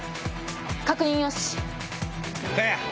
確認よし！